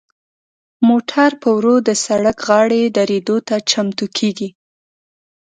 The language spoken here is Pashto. موټر په ورو د سړک غاړې دریدو ته چمتو کیږي.